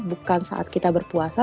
bukan saat kita berpuasa